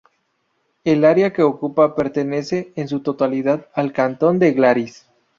El área que ocupa pertenece en su totalidad al cantón de Glaris.